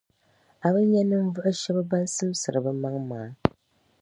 A bi nya ninvuɣu shεba ban simsiri bɛ maŋ’ maa.